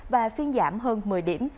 và phiên giảm hơn một mươi điểm